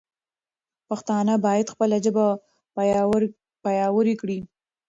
پښتانه باید خپله ژبه پیاوړې کړي.